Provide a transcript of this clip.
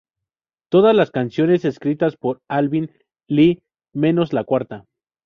Todas las canciones escritas por Alvin Lee, menos la cuarta.